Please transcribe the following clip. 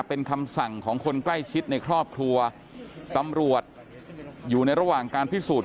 เป็นคำสั่งของคนใกล้ชิดในครอบครัวตำรวจอยู่ในระหว่างการพิสูจน์